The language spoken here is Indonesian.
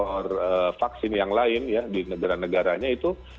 atau vaksin yang lain ya di negara negaranya itu